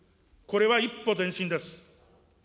これは一歩前進です。